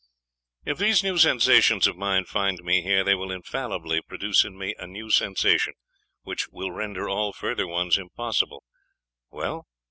'If these new sensations of mine find me here, they will infallibly produce in me a new sensation, which will render all further ones impossible.... Well?